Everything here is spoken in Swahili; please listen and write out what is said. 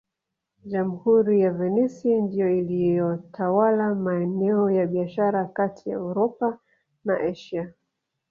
Jamhuri ya Venisi ndiyo iliyotawala maeneo ya biashara kati ya Uropa na Asia